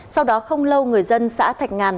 sau đó không lâu người dân xã thạch ngàn